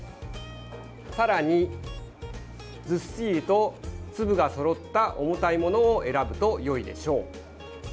さらに、ずっしりと粒がそろった重たいものを選ぶとよいでしょう。